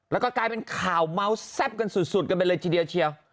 แล้วก็กลายเป็นข่าวเมาส์แซ่บกันสุดกันไปเลยเฉย